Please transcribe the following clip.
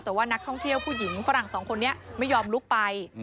แต่ว่านักท่องเที่ยวผู้หญิงฝรั่งสองคนนี้ไม่ยอมลุกไป